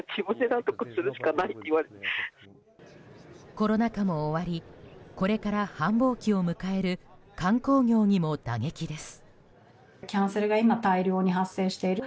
コロナ禍も終わりこれから繁忙期を迎える観光業にも打撃です。